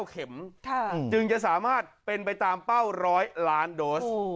เข็มจึงจะสามารถเป็นไปตามเป้า๑๐๐ล้านโดส